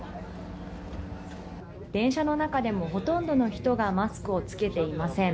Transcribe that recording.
電車の中でもほとんどの人がマスクを着けていません。